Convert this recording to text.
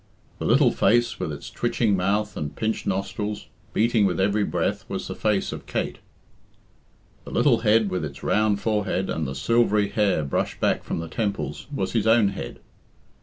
The little face, with its twitching mouth and pinched nostrils, beating with every breath, was the face of Kate. The little head, with its round forehead and the silvery hair brushed back from the temples, was his own head.